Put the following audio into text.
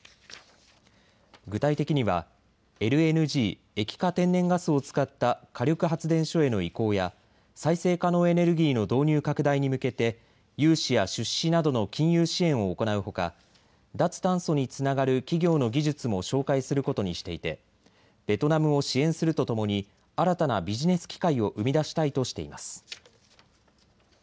具体的にはＬＮＧ・液化天然ガスを使った火力発電所への移行や再生可能エネルギーの導入拡大に向けて融資や出資などの金融支援を行うほか脱炭素につながる企業の技術も紹介することにしていてベトナムを支援するとともに新たなビジネス機会を生み出したいとしています。